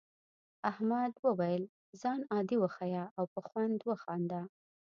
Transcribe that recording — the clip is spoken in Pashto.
احمد وویل خان عادي وښیه او په خوند وخانده.